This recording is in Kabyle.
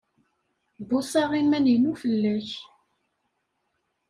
Bbuṣaɣ iman-inu fell-ak.